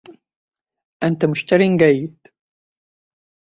أنت مشتر جيد.